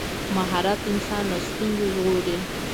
مهارت انسان له ستونزو ژغوري.